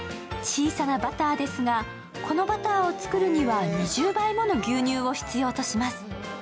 小さなバターですが、このバターを作るには２０倍もの牛乳を必要とします。